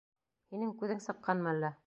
Һинең күҙең сыҡҡанмы әллә?